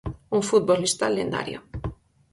Un futbolista lendario.